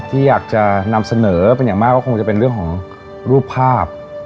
ที่อยากจะนำเสนอเป็นอย่างมากก็คงจะเป็นเรื่องของรูปภาพ